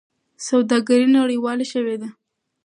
سوداګري نړیواله شوې ده.